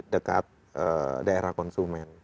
dekat daerah konsumen